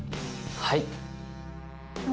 はい。